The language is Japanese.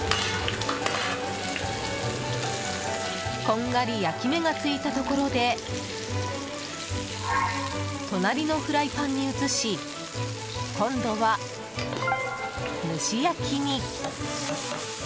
こんがり焼き目が付いたところで隣のフライパンに移し今度は蒸し焼きに。